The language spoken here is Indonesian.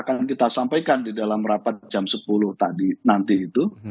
jadi akan kita sampaikan di dalam rapat jam sepuluh tadi nanti itu